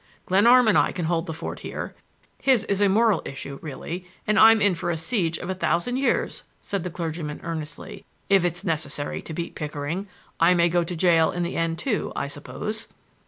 Glenarm and I can hold the fort here. His is a moral issue, really, and I'm in for a siege of a thousand years," said the clergyman earnestly, "if it's necessary to beat Pickering. I may go to jail in the end, too, I suppose."